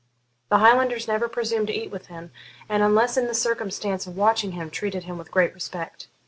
The Highlanders never presumed to eat with him, and, unless in the circumstance of watching him, treated him with great respect.